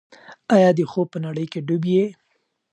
آیا ته د خوب په نړۍ کې ډوب یې؟